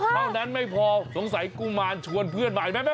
เมื่อนั้นไม่พอสงสัยกุมารชวนเพื่อนมา